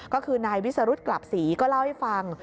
ก็คือนายวิสรุธกลับศรีก็เล่าให้ฟัง